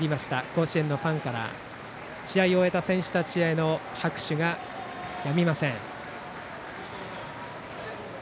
甲子園のファンから試合を終えた選手たちへの拍手がやみません。